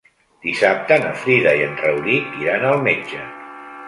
Dissabte na Frida i en Rauric iran al metge.